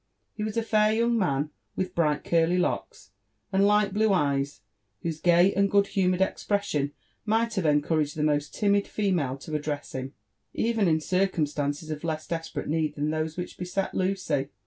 He was a fair young man, with bright curly locks, and light blue eyes, whose gay and good humoured expression might have encouraged the most timid female to address him, even in circum stances of less desperate need than those which beset Lucy.